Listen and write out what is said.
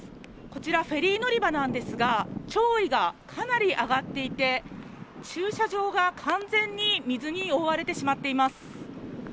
こちらフェリー乗り場なんですが潮位がかなり上がっていて駐車場が完全に水に覆われてしまっています。